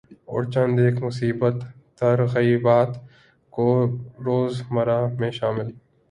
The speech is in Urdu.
اور چند ایک مثبت ترغیبات کو روزمرہ میں شامل